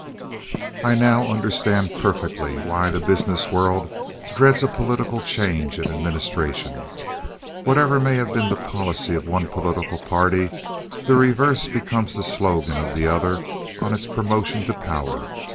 I now understand perfectly why the business world dreads a political change in administration. Whatever may have been the policy of one political party, the reverse becomes the slogan of the other on its promotion to power.